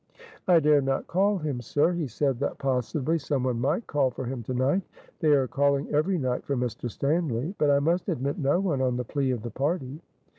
"I dare not call him, sir. He said that possibly some one might call for him to night they are calling every night for Mr. Stanly but I must admit no one, on the plea of the party."